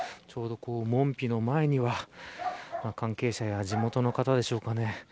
ちょうど門扉の前には関係者や地元の方でしょうかね。